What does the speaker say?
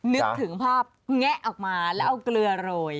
นึกถึงภาพแงะออกมาแล้วเอาเกลือโรย